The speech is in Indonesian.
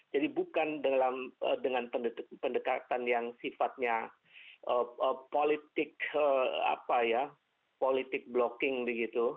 jadi bukan dengan pendekatan yang sifatnya politik blocking gitu